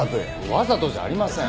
わざとじゃありません。